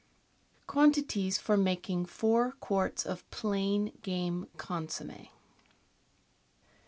Quantities for making Four Quarts of Plain Game Consomme.